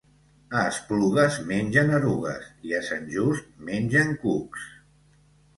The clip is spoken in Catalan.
A Esplugues mengen erugues i a Sant Just mengen cucs.